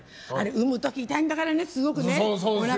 産む時痛いんだからね、すごく。